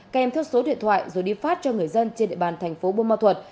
kèm theo số điện thoại rồi đi phát cho người dân trên địa bàn thành phố bô ma thuật